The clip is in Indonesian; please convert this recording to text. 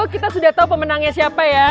kita sudah tahu pemenangnya siapa ya